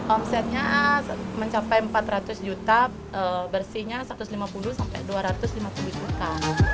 omsetnya mencapai empat ratus juta bersihnya satu ratus lima puluh sampai dua ratus lima puluh juta